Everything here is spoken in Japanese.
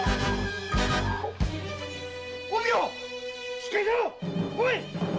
しっかりしろっ！